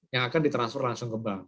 yang akan ditransfer langsung ke bank